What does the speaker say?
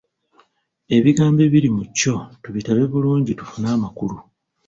ebigambo ebiri mu kyo tubitabe bulungi tufune amakulu.